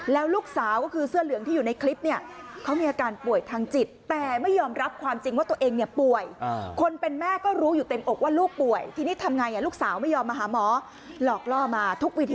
แล้วลูกสาวก็คือเสื้อเหลืองที่อยู่ในคลิปเขามีอาการป่วยทางจิต